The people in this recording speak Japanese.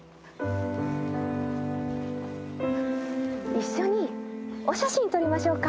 一緒にお写真撮りましょうか？